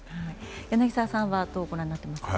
柳澤さんはどうご覧になっていますか？